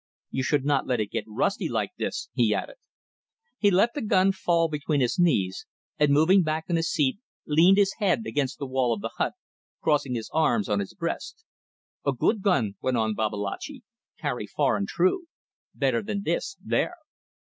You should not let it get rusty like this," he added. He let the gun fall between his knees, and moving back on his seat, leaned his head against the wall of the hut, crossing his arms on his breast. "A good gun," went on Babalatchi. "Carry far and true. Better than this there."